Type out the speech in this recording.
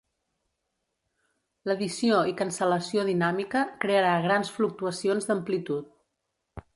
L'adició i cancel·lació dinàmica crearà grans fluctuacions d'amplitud.